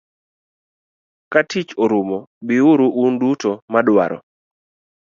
Katich orumo, bi uru un duto madwaro.